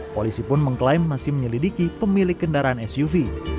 polisi pun mengklaim masih menyelidiki pemilik kendaraan suv